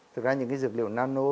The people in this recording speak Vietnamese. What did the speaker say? thực ra những dược liệu nano